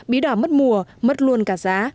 bí đỏ mất mùa mất luôn cả giá